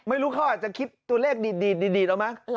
ไม่รู้เขาอาจจะคิดตัวเลขดีดเอาไหม